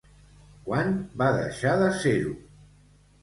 Quan va deixar de ser-ho?